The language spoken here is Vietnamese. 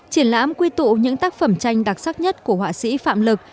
triển lãm quy tụ những tác phẩm tranh đặc sắc nhất của họa sĩ phạm lực